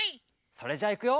それじゃあいくよ！